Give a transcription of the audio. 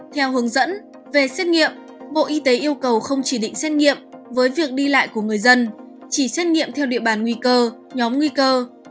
theo hướng dẫn về xét nghiệm bộ y tế yêu cầu không chỉ định xét nghiệm với việc đi lại của người dân chỉ xét nghiệm theo địa bàn nguy cơ nhóm nguy cơ